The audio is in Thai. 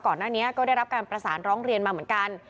ก่อนหน้านี้ก็ได้รับการประสานร้องเรียนมาเหมือนกัน